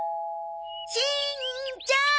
しんちゃん！